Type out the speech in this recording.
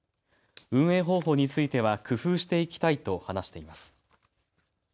運営方法については工夫していきたいと話しています。